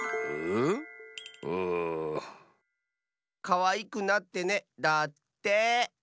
「かわいくなってね」だって。